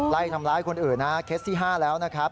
ไล่ทำร้ายคนอื่นนะเคสที่๕แล้วนะครับ